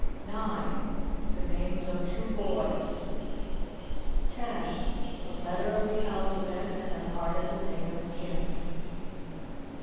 9 (The names of two boys.) 10 (A letter of the alphabet and an article made of tin.)